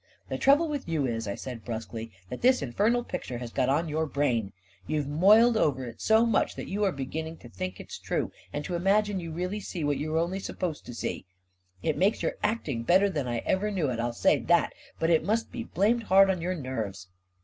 " The trouble with you is," I said brusquely, " that this infernal picture has got on your brain. You've moiled over it so much that you are beginning to think it's true, and to imagine you*really see what you are only supposed to seel It makes your act ing better than I ever knew it — I'll say that — but it must be blamed hard on your nerves